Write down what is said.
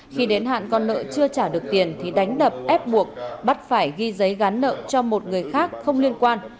khi đến hạn con nợ chưa trả được tiền thì đánh đập ép buộc bắt phải ghi giấy gắn nợ cho một người khác không liên quan